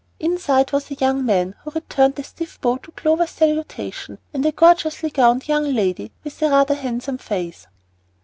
Inside was a young man, who returned a stiff bow to Clover's salutation, and a gorgeously gowned young lady with rather a handsome face.